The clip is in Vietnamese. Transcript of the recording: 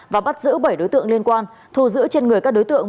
và bắt giữ bảy đối tượng liên quan thu giữ trên người các đối tượng